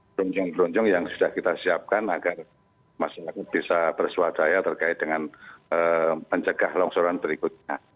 broncong broncong yang sudah kita siapkan agar masyarakat bisa berswadaya terkait dengan pencegah longsoran berikutnya